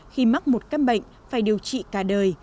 khi mắc một căn bệnh phải điều trị cả đời